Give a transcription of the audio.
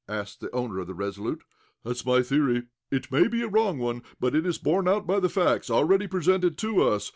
asked the owner of the RESOLUTE. "That's my theory. It may be a wrong one, but it is borne out by the facts already presented to us.